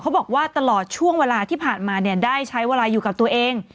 บอกว่าตลอดช่วงเวลาที่ผ่านมาเนี่ยได้ใช้เวลาอยู่กับตัวเอง